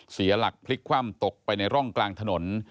เสียหลักพลิกคว่ำตกไปในร่องกลางถนน